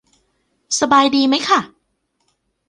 สบายดีไหมค่ะ